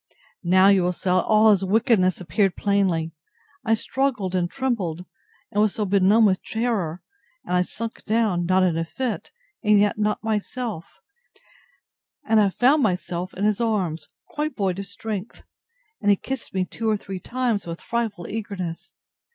Now, you will say, all his wickedness appeared plainly. I struggled and trembled, and was so benumbed with terror, that I sunk down, not in a fit, and yet not myself; and I found myself in his arms, quite void of strength; and he kissed me two or three times, with frightful eagerness.